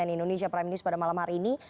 dan indonesia prime news pada malam hari ini